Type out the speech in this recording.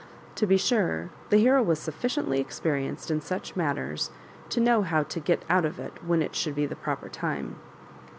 To be sure, the hero was sufficiently experienced in such matters to know how to get out of it when it should be the proper time.